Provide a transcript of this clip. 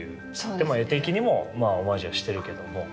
でも絵的にもオマージュはしてるけども。